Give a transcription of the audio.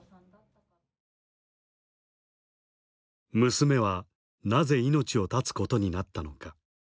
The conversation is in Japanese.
娘はなぜ命を絶つことになったのか。